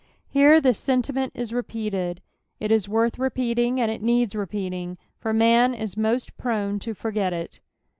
Here the sentiment is repeated : it ja, worth repeating, and it needs repeating, for man is moat prone to forget it.